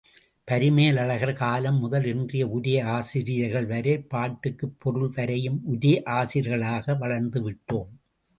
பரிமேலழகர் காலம் முதல் இன்றைய உரையாசிரியர்கள் வரை பாட்டுக்குப் பொருள்வரையும் உரையாசிரியர்களாக வளர்ந்து விட்டோம்.